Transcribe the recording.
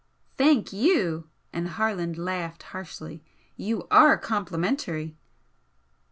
"Thank you!" and Harland laughed harshly "You are complimentary!"